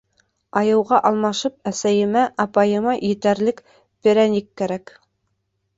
— Айыуға алмашып, әсәйемә, апайыма етерлек перәник кәрәк...